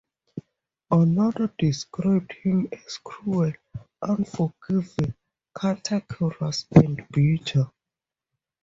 Another described him as "cruel, unforgiving, cantankerous and bitter".